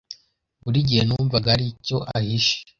Buri gihe numvaga hari icyo ahishe.